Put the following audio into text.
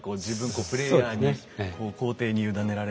こうプレイヤーに皇帝に委ねられる。